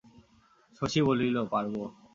শশী বলিল, পারব।